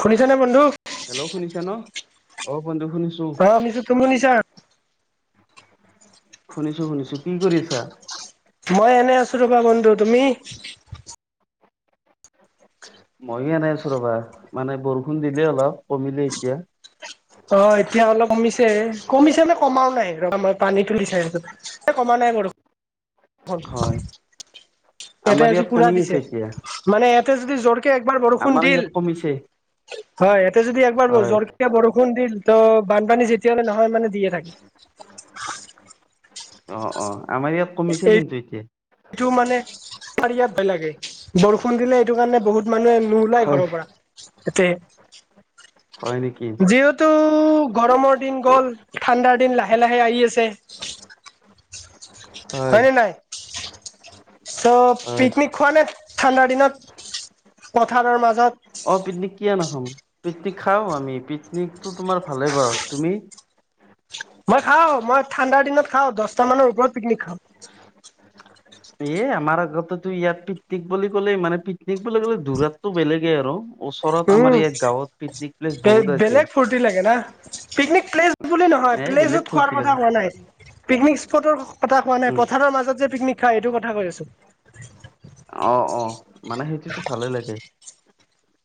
শুনিছেনে বন্ধু। হেল্ল' শুনিছা ন অ বন্ধু শুনিছো। অ শুনিছোঁ তুমি শুনিছা। শুনিছোঁ শুনিছোঁ কি কৰিআছা। মই এনে আছো ৰবা বন্ধু তুমি। ময়ো আনাই আছোঁ ৰবা মানে বৰষুণ দিলে অলপ কমিলে এতিয়া। অ এতিয়া অলপ কমিছে কমিছে নে কমাও নাই ৰা মই পানী তুলিছে। এ কমা নাই কৰো। হ'ল। হয়। ইয়াতে আমাৰ আজি ইয়াত পুৰা কমি আছে দিছে এতিয়া মানে ইয়াতে যদি জোৰকে একবাৰ বৰষুণ আমাৰ দিল। ইয়াত কমিছে হয় এটা যদি একবাৰ হয় বছো। এতিয়া বৰষুণ দিল তহ বানপানী যেতিয়া দে নহয় মানে দিয়ে থাকে। অ অ আমাৰ ইয়াত কমিছে কিন্তু এতিয়া। এইটো মানে পাৰি বে লাগে বৰষুণ দিলে এইটো কাৰণে বহুত মানুহে। মোওলাই হয় ঘৰৰ পৰা এতে। হয় নেকি। যিঅতু গৰমৰ দিন গ'ল ঠাণ্ডাৰ দিন লাহে লাহে আহি আছে। হয় নে নাই ত হয় পিকনিক। খোৱ নে ঠাণ্ডাৰ দিনত পথাৰৰ মাজত। অঁ পিকনিক কিয় নাখাম পিকনিক খাওঁ আমি পিকনিকটো তোমাৰ ভালেই বাও তুমি। মই খাওঁ মই ঠাণ্ডাৰ দিনত খাওঁ দহটা মানৰ ওপৰত পিকনিক খাওঁ। এ আমাৰ আগতেতো ইয়াত পিকনিক বুলি ক'লে মানে পিকনিক বুলি ক'লে ধূৰাতটো বেলেগেই আৰু। ওচৰত আমাৰ উম ইয়াত গাঁৱত পিকনিক প্লেচ বে বহুত আছে বেলেগ ফুৰ্তি লাগে না পিকনিক প্লেচ। বুলি নহয় এই বেলেগ প্লেছত খোৱাৰ ফূৰ্তি লাগে কথা কোৱা নাই পিকনিক স্পটৰ কথা কোৱা নাই উম পথাৰৰ মাজত যে পিকনিক। গাড়ীটো কথা কৈ আছোঁ। অ, অ মানে সেইটোতো ভালে লাগে।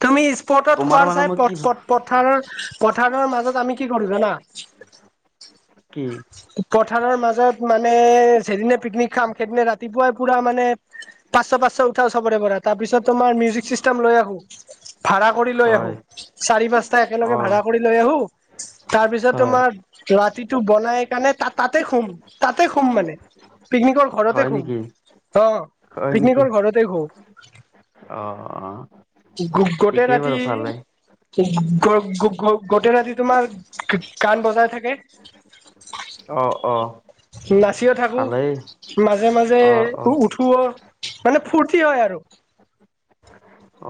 তুমি স্পটত তোমাৰ খোৱাৰ মানে চাই মই কি পথথ পথাৰৰ পথাৰৰ মাজত আমি কি কৰো জানা। কি? পথাৰৰ মাজত মানে যিদিনা পিকনিক খাম সেইদিনা ৰাতিপুৱাই পুৰা মানে পাচঁশ -পাচঁশ উঠা চবৰে পৰা তাৰিছত তোমাৰ মিজিক চিষ্টেম লৈ আহো ভাড়া কৰি লৈ আহো হয় চাৰি পাঁচটা অ একেলগে ভাড়া কৰি লৈ আহো তাৰপিছত হয় তোমাৰ ৰাতিটো বনাই কাণে তাতে শুম তাতে শুম মানে। পিকনিকৰ ঘৰতে হয় শুম নেকি অ পিকনিকৰ ঘৰতে শুওঁ। অঁ অঁ গোটেই ৰাতি গ-গ-গোটেই ৰাতি তোমাৰ ক-কাণ বজাই থাকে। অ অ- নাচিও থাকো ভালেই মাজে মাজে অ অ উঠো মানে ফুৰ্তি হয়। আৰু-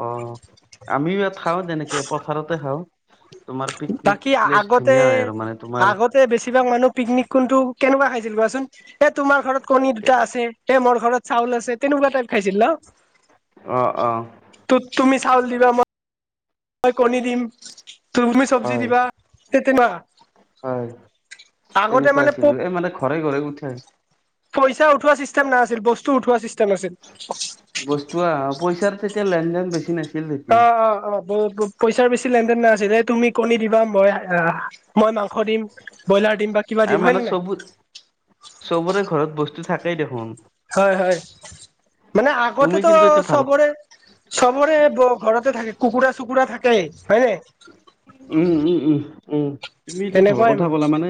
অ আমিও ইয়াত খাওঁ তেনেকে পথাৰতে খাওঁ। তোমাৰ পিকনিক বাকী প্লেচ আগতে ধুনীয়া হয় আৰু মানে তোমাৰ আগতে বেছিভাগ মানুহ পিকনিক কোনটো কেনেকুৱা খাইছিল কোৱাচোন এ তোমাৰ ঘৰত কণী, দুটা আছে তে মোৰ ঘৰত চাউল আছে তেনেকুৱা টাইপ খাইছিল ন? অঁ অঁ ত-তুমি চউল, দিবা মই ই কণী, দিম তুমি চব্জি, হয় দিবা তে তে মা হয় এনেকুৱা মানে আছিলো এই মানে ঘৰে- ঘৰে উঠে। পইচা উঠোৱা চিষ্টেম নাছিল বস্তু উঠোৱা চিষ্টেম আছিল। বস্তু আহ পইচাৰ তেতিয়া লেনদেন বেছি নাছিল। তেতিয়া অ অ অ পইচাৰ বেছি লেন দেন নাছিল তুমি কণী, দিবা মই মই মাংস, দিম। ব্ৰইলাৰ, দিম বা কিবা আৰু দিম হয় মানে নে নাই চব চবৰে ঘৰত বস্তু থাকেই দেখোন। হয় হয় মানে তুমি আগতেতো কিন্তু এইটো ভাল চবৰে চবৰে ঘৰতে থাকে কুকুৰা, চুকুৰা থাকে, হয়নে? উম উম উম উম তুমিটো ভাল কথা ব'লা মানে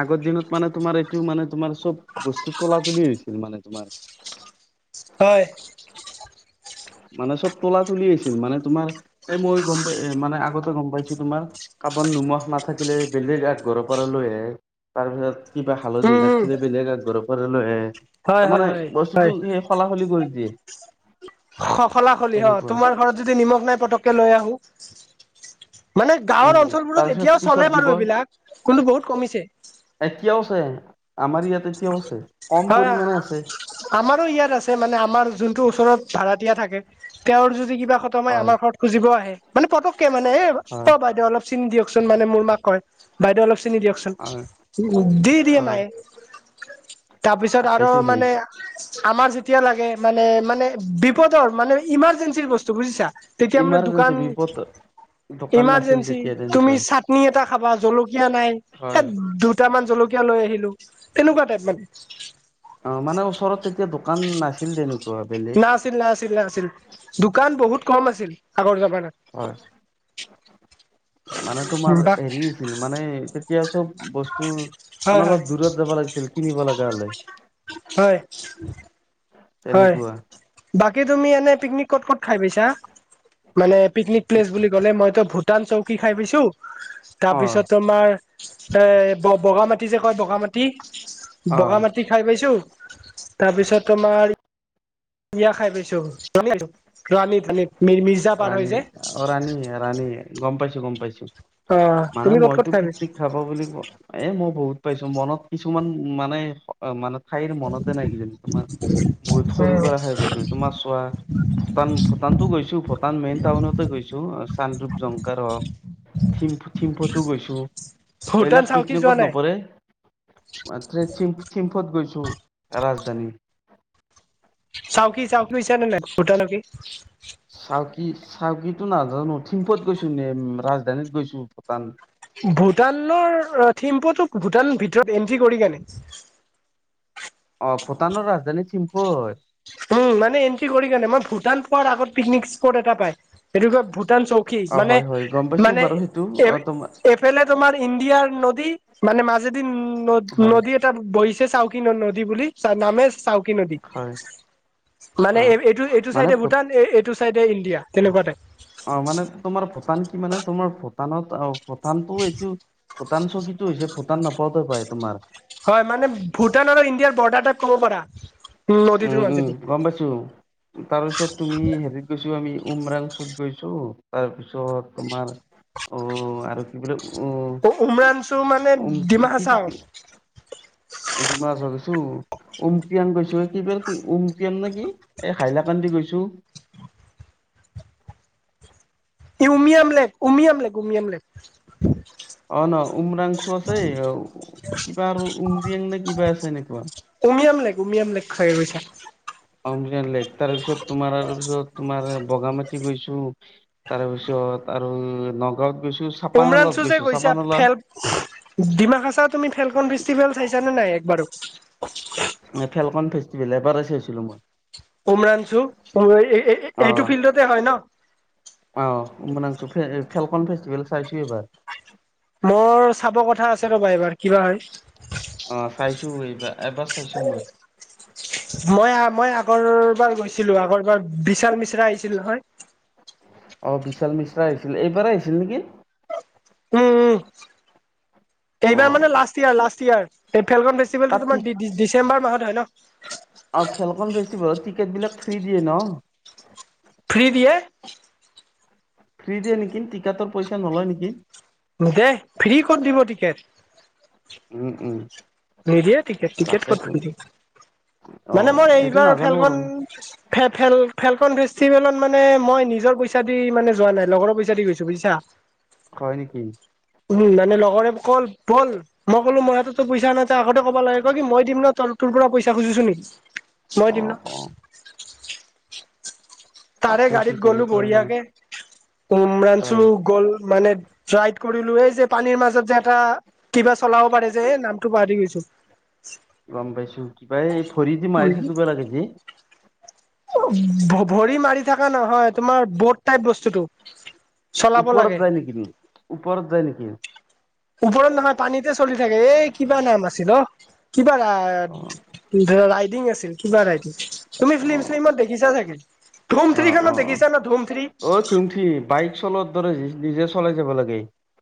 আগৰ দিনত মানে তোমাৰ এইটো মানে তোমাৰ চব বস্তু তোলা তুলি হৈছিল মানে তোমাৰ। হয়। মানে চব তোলা তুলি আছিল মানে তোমাৰ এ মই গম পাই মানে আগতে গম পাইছো তোমাৰ কাবাৰ নোমখ নাথাকিলে বেলেগ আগ ঘৰৰ পৰা লৈ আহে তাৰপিছত কিবা হালধি উম নাথিলে বেলেগ ঘৰৰ পৰা লৈ আহে হয় তাৰ হয় মানে হয় হয় বস্তুতটো হলা হলি কৰি দিয়ে। হলা হলি অ তেনেকুৱা তোমাৰ ঘৰত যদি নিমখ নাই পতককে লৈ আহো। মানে উম গাঁৱৰ অঞ্চলবোৰত তাৰপিছত এতিয়াও পিছত চলে বাৰু দিব এইবিলাক কিন্তু বহুত কমিছে। এতিয়াওছে আমাৰ ইয়াত এতিয়াও আছে কম হয় পৰিমাণে আছে। আমাৰো ইয়াত আছে মানে আমাৰ যোনটো ওচৰত ভাৰাতীয়া থাকে তেওঁৰ যদি কিবা ত মই হয় আমাৰ ঘৰত খুজিব আহে মানে পতকে মানে এ হয় অ বাইদেউ অলপ চিনি দিয়কচোন মানে মোৰ মাক কয় বাইদেউ অলপ চিনি দিয়কচোন হয় উ দি দিয়ে হয় মায়ে। তাৰপিছত আৰু তাকেইতো সেই মানে আমাৰ যেতিয়া লাগে মানে মানে বিপদৰ মানে ইমাৰজেঞ্চিৰ বস্তু বুজিছা। তেতিয়া আমাৰ ইমাৰজেঞ্চি দোকান বিপদ দোকান নাছিল ইমাৰ্জেঞ্চি তেতিয়া তুমি তেনেকুৱা চাটনি এটা খাবা জলকীয়া হয় নাই। দুটামান জলকীয়া লৈ আহিলো তেনেকুৱা টাইপ মানে। অ মানে ওচৰত তেতিয়া দোকান নাছিল তেনেকুৱা বেলেগ। নাছিল নাছিল নাছিল দোকান বহুত কম আছিল আগৰ জামানাত। হয় মানে তোমাৰ বাক হেৰি ছিল মানে তেতিয়া চব বস্তু হয় মানে হয় অলপ দূৰত যাব লাগিছিল কিনিব লগা হলে। হয় [unintelligible] হয়। বাকী তুমি এনেই পিকনিক ক'ত ক'ত খাই পাইছা? মানে পিকনিক প্লেচ বুলি ক'লে, মইতো ভূটান চৌকি খাই পাইছোঁ। অ তাৰপিছত তোমাৰ এ বগা মাটি যে কয় বগা মাটি, অ বগা মাটি খাই পাইছো। তাৰ পিছত তোমাৰ বিয়া খাই পাইছোঁ, ৰাণী মৰিমিজ। ৰাণী, অ' ৰাণী ৰাণী গ'ম পাইছোঁ, গম পাইছোঁ। অ মানে তুমি ক'ত ক'ত মইতো খাই পাইছা পিকনিক খাব বুলি কও এ মই বহুত পাইছোঁ, মনত কিছুমান মানে অ' মানে ঠাইৰ মনতে নাই কিজানি তোমাৰ, বহুত সৰুৰ পৰা খাই পাইছোঁ তোমাৰ চোৱা! ভূটান ভূটানতো গৈছোঁ, ভূটান মেইন টাউনতে গৈছোঁ, চানৰূপ জংকাৰ হক। থিম থিম্ফটো গৈছো। ভূটান এইবিলাক চাউকি যোৱা পিকনিকত নাই নপৰে। মাত্ৰে থিম্ফ থিম্ফত গৈছোঁ, ৰাজধানী। চাওকি চাওকি গৈ ছানে নাই ভূটানকি? চাওঁকি চাওঁকিটো নাজানো, থিম্পত গৈছোঁ নে ৰাজধানীত গৈছোঁ ভূটান। ভূটানৰ থিম্পুতো ভূটান ভিতৰত এন্ট্ৰি কৰি কেনে। অ', ভূটানৰ ৰাজধানী থিম্পু হয়। উম, মানে এণ্ট্ৰি কৰি কেনে। মই ভূটান পোৱাৰ আগত পিকনিক স্পট এটা পায়। সেইটোতো ভূটান চৌ কি অ মানে হয় হয় গম পাইছো মানে বাৰু সেইটো এ অ তোমাৰ এইফেলে তোমাৰ ইণ্ডিয়াৰ নদী, মানে মাজেদি নদ হয় নদী এট তাত বহিছে চাউকি ন নদী বুলি, চা নামে চাউকি নদী। হয় অ মানে এ এইটো এইটো মানে চাইডে ভূ ভূটান, এ এইটো চাইডে ইণ্ডিয়া তেনেকুৱা তাইপ। অ', মানে তোমাৰ ভূটান কি মানে, তোমাৰ ভূটানত অ' ভূটানটো এইটো ভূটান চৌকীটো হৈছে, ভূটান নাপাওঁতে পাই তোমাৰ। হয়, মানে ভূটান আৰু ইণ্ডিয়াৰ বৰ্ডাৰ টাইপ ক'ব পাৰা। নদীটোৰ উম উম, মাজেদি গম পাইছো। তাৰ পিছত তুমি হেৰিত গৈছোঁ আমি, উমৰাংচুত গৈছোঁ। তাৰপিছত তোমাৰ অ', আৰু ইবিলাক অ অ', উমৰাংছু মানে ডিমাহাচাও। ডিমাহাচাও গৈছোঁ। উমক্ৰিয়াঙ গৈছোঁ। কি ব উমক্ৰিয়ান না কি! এ হাইলাকান্দি গৈছোঁ। Umiam lake Umiam lake, Umiam lake. অ' ন উমৰাংছু আছেই, কিবা উমৰিয়াং নে কিবা আছে এনেকুৱা। উমিয়াম লেক, উমিয়াম লেক খাই গৈছে। অমিয়াম লেক, তাৰে পিছত তোমাৰ, তাৰ পিছত তোমাৰ বগা মাটি গৈছোঁ। তাৰে পিছত আৰু নগাঁওত গৈছোঁ। উমৰাংছু যে গৈছা ফেল ডিমা হাছাও তুমি ফেলকন ফেষ্টিভেল চাইছা নে নাই একবাৰো? এ ফেলকন ফেষ্টিভেল এবাৰে চাইহৈছিলোঁ মই। উমৰাংছু, এই এই এই এইটো ফিল্ডতে হয় ন? অহ, উমৰাংছু ফেলকন ফেষ্টিভেল চাইছো এবাৰ। মোৰ চাব কথা আছে ৰ'বা এইবাৰ কিবা হয়। অঁ চাইছো এইবাৰ এবাৰ চাইছো মই। মই মই আগৰবাৰ গৈছিলো আগৰবাৰ বিশাল মিশ্ৰা আহিছিল নহয়। অঁ বিশাল মিশ্ৰা আহিছিল, এইবাৰেই আহিছিল নেকি? উম উম। অ এইবাৰ মানে লাষ্ট ইয়াৰ লাষ্ট ইয়াৰ এই ফেলকন ফেষ্টিভেলটো তাত টিক তোমাৰ ডিচেম্বৰ মাহত হয় ন। অঁ ফেলকন ফেষ্টিভেলত টিকেট বিলাক ফ্ৰী দিয়ে ন? ফ্ৰী দিয়ে? ফ্ৰী দিয়ে নেকি টিকটৰ পইচা নলয় নেকি। নিদিয়ে ফ্ৰী কত দিব টিকেট। উম উম। নিদিয়ে টিকেট টিকেট কত তাকেতো ফ্ৰী দিব, অ মানে মই এইটো এইবাৰ নাজানো আৰু ফেলকন ফেলকন ফেষ্টিভেলত মানে মই নিজৰ পইচা দি মানে যোৱা নাই লগৰৰ পইচা দি গৈছো বুজিছা। হয় নেকি? উম মানে লগৰে কল ব'ল মই ক'লো মোৰ হাততো পইচা নাই আগতে ক'বা লাগে কি মই দিম ন ত তোৰ পৰা পইচা খুজিছো নেকি মই অ দিম ন অ তাৰে তাকেইতো গাড়ীত গলো তেনেকুৱা মানে বঢ়িয়াকে হয় উমৰাংছু গ'ল মানে ড্ৰাইভ কৰিলো এই যে পানীৰ মাজত যে এটা কিবা চলাব পাৰে যে এই নামটো পাহৰি গৈছো। গম পাইছো কিবা এই ভৰি দি মাৰি থাকিব লাগে যে ভৰি মাৰি থাকা নহয় তোমাৰ বট টাইপ বস্তুটো। চলাব ওপৰত লাগে যায় নেকি ওপৰত যায় নেকি? ওপৰত নহয় পানীতে চলি থাকে এই কিবা নাম আছিল অ কিবা অ অ ৰাইডিং আছিল কিবা ৰাইডিং তুমি ফিলি্ম চিলিমত দেখিছা চাগে। ধুম থ্ৰী খনত দেখিছে না ধুম থ্ৰী ধুমথ্ৰী বাইক চলোৱাৰ দৰে নিজে চলাই যাব লাগে।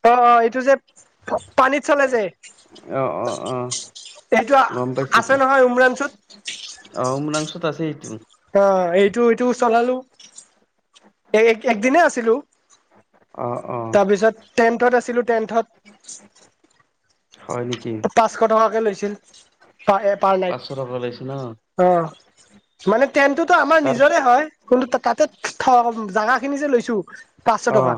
অঁ অঁ এইটো যে পানীত চলে যে? অ অ অ এইটা আছে নহয় উমৰাংছুত। অঁ উমৰাংছুত আছে এইটো। অঁ এইটো এইটো চলালো এ এক দিনে আছিলো। অঁ অঁ। তাৰপিছত তেন্তেত আছিলো তেন্তেত। হয় নেকি? পাঁচশ টকাকে লৈছিল পাৰ হেড পাৰ নাইট। পাঁচশ টকা ওলাইছে ন অঁ। মানে তেন্তেটোতো আমাৰ তাৰ নিজৰে হয় কিন্তু তাতে থ জাগা খিনি যে লৈছো পাঁচশ অঁহ। টকা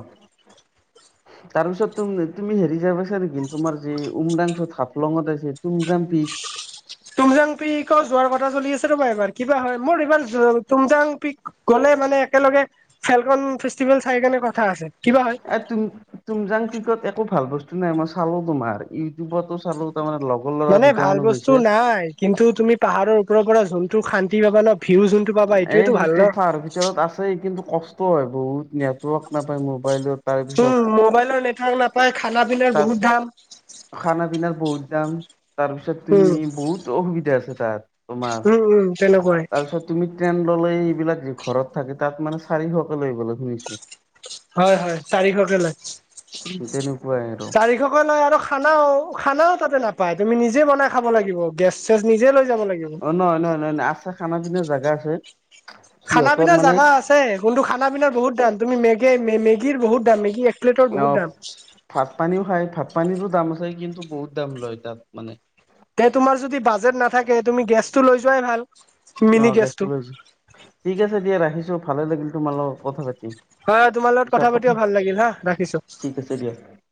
তাৰপিছত তুমি হেৰি যায় পাইছা নেকি তোমাৰ যে উমৰাংছু হাফলঙত আছে টুমজাংপিক? টুমজাংপিকও যোৱাৰ কথা চলি আছে ৰ'বা এইবাৰ কিবা হয় মোৰ এইবাৰ টুমজাং পিক গ'লে মানে একেলগে ফেলকন ফেষ্টিভেল চাই কেনে কথা আছে কিবা হয়। এ টুম টুমজাং পিকত একো ভাল বস্তু নাই মই চালো তোমাৰ ইউটিউবতো চালো তাৰমানে ল মানে ভাল বস্তু নাই, কিন্তু তুমি পাহাৰৰ ওপৰৰ পৰা যোনটো শান্তি পাবা ন ভিউ যোনটো পাবা এইটোৱেটো ভাল ন। ত আছেই কিন্তু কষ্ট হয় বহুত নেটৱৰ্ক নাপায় মোবাইলত। তাৰপিছত উম মোবাইলৰ নেটৱৰ্ক নাপায়, খানা পিনাৰ তাত বহুত দাম। খানা পিনাৰ বহুত দাম তাৰপিছত তুমি উম বহুত অসুবিধা আছে তাত তোমাৰ। উম উম তেনেকুৱাই। তাৰপিছত তুমি ট্ৰেইন ললে এইবিলাক ঘৰত থাকে তাত মানে চাৰিশ কে লয় বুলি শুনিছো। হয় হয় চাৰিশকে লয়, তেনেকুৱাই আৰু [inaudible] চাৰিশকে লয় আৰু খানাও খানাও তাতে নাপায় তুমি নিজে বনাই খাব লাগিব, গেছ চেছ নিজে লৈ যাব লাগিব। অ নহয় নহয় নহয় নয় আছে খানা পিনা জেগা আছে। খানা সিহঁতৰ পিনা মানে জোগা আছে কোনটো খানা পিনাৰ বহুত দাম তুমি মেগে মেগীৰ বহুত দাম মেগী প্লেটৰ বহুত অ দাম। ভাত পানীও খাই ভাত পানীৰো দাম আছে, কিন্তু বহুত দাম লয় তাত মানে। তে তোমাৰ যদি বাজেট নাথাকে তুমি গেছটো লৈ যোৱাই ভাল। অ গেছটো লৈছো, ঠিক আছে দিয়া ৰাখিছো ভালে লাগিল তোমাৰ লগত কথা পাতি। হা তোমাৰ লগত কথা পাতিও ভাল লাগিল হা, ৰাখিছো। [unintelligible]